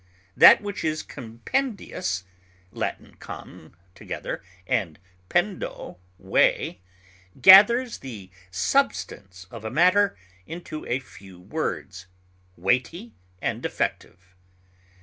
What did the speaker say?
That which is compendious (L. _com _, together, and pendo, weigh) gathers the substance of a matter into a few words, weighty and effective.